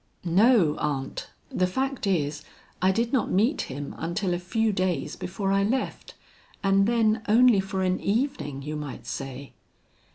"No, aunt. The fact is, I did not meet him until a few days before I left, and then only for an evening, you might say."